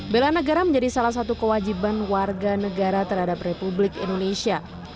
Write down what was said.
bela negara menjadi salah satu kewajiban warga negara terhadap republik indonesia